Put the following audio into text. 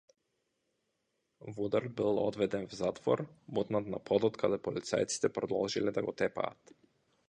Вудард бил одведен в затвор, бутнат на подот каде полицајците продолжиле да го тепаат.